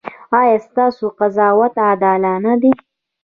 ایا ستاسو قضاوت عادلانه دی؟